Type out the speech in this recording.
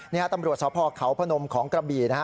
นี่ตำรวจสพเขาพนมของกระบี่นะฮะ